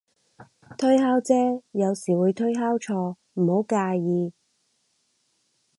推敲啫，有時會推敲錯，唔好介意